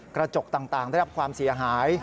กระจกต่างได้รับความเสียหาย